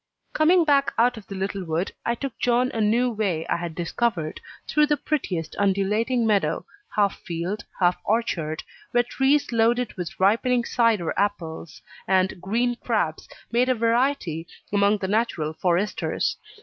Coming back out of the little wood, I took John a new way I had discovered, through the prettiest undulating meadow, half field, half orchard, where trees loaded with ripening cider apples and green crabs made a variety among the natural foresters.